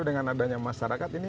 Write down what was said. dengan adanya masyarakat